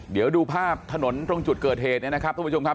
เดี๋ยวดูภาพถนนตรงจุดเกิดเหตุเนี่ยนะครับทุกผู้ชมครับ